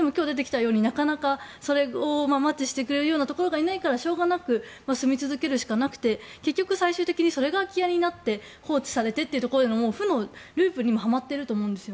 なかなかマッチしてくれるようなところがいないからしょうがなく住み続けるしかなくて結局、最終的にそれが空き家になって放置されてという負のループにはまっていると思うんです。